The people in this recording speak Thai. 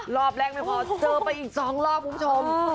รอบแรกไม่พอเจอไปอีก๒รอบคุณผู้ชม